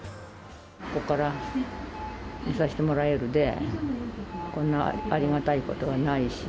ここから見させてもらえるで、こんなありがたいことはないし。